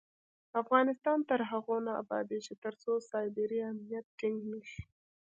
افغانستان تر هغو نه ابادیږي، ترڅو سایبري امنیت ټینګ نشي.